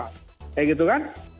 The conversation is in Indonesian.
kayak gitu kan